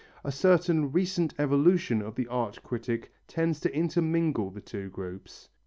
A certain recent evolution of the art critic tends to intermingle the two groups.